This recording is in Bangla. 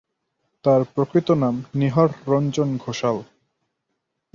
তার প্রকৃত নাম নীহাররঞ্জন ঘোষাল।